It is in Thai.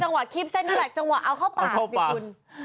จังหวะคีบเส้นก็แหละจังหวะเอาเข้าปากสิคุณ